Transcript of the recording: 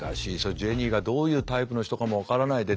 ジェニーがどういうタイプの人かも分からないで男性任された。